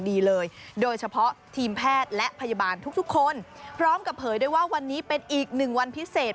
ดีเลยโดยเฉพาะทีมแพทย์และพยาบาลทุกทุกคนพร้อมกับเผยด้วยว่าวันนี้เป็นอีกหนึ่งวันพิเศษ